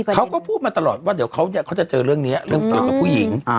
เขาก็พูดมาตลอดว่าเดี๋ยวเขาจะเจอเรื่องนี้เรื่องเกี่ยวกับผู้หญิง